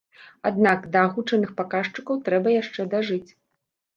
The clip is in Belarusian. Аднак да агучаных паказчыкаў трэба яшчэ дажыць.